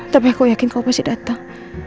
tapi kau yakin kau pasti datang